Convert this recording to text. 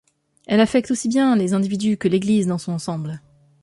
Elle affecte aussi bien les individus que l’Église dans son ensemble.